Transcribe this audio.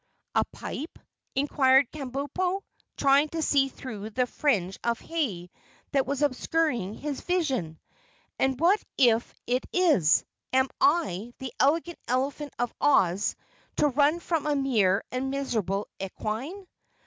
"A pipe?" inquired Kabumpo, trying to see through the fringe of hay that was obscuring his vision. "And what if it is? Am I, the Elegant Elephant of Oz, to run from a mere and miserable equine?"